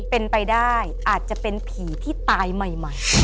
เป็นไปได้อาจจะเป็นผีที่ตายใหม่